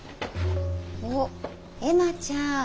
おっ絵麻ちゃん